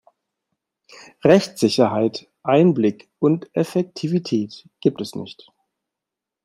Rechtssicherheit, Einblick und Effektivität gibt es nicht.